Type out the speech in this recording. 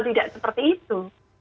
tidak seperti itu